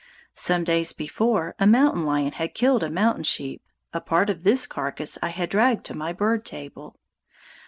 Some days before, a mountain lion had killed a mountain sheep; a part of this carcass I had dragged to my bird table.